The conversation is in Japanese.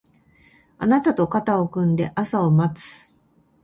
あなたと肩を組んで朝を待つ